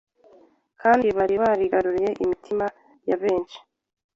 kandi bari barigaruriye imitima ya benshi